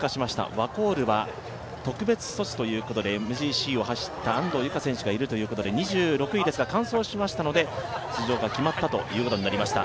ワコールは特別措置ということでＭＧＣを走った安藤友香選手がいるということで２６位ですが、完走しましたので、出場が決まったということになりました。